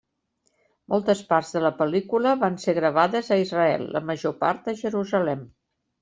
Moltes parts de la pel·lícula van ser gravades a Israel, la major part a Jerusalem.